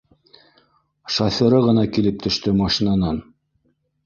Шоферы ғына килеп төштө машинанан